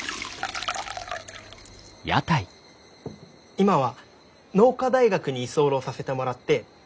今は農科大学に居候させてもらって研究しています。